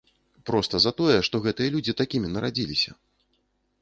Проста за тое, што гэтыя людзі такімі нарадзіліся.